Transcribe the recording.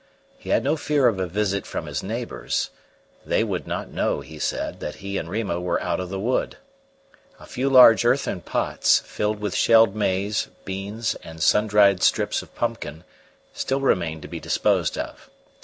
He had no fear of a visit from his neighbours; they would not know, he said, that he and Rima were out of the wood. A few large earthen pots, filled with shelled maize, beans, and sun dried strips of pumpkin, still remained to be disposed of.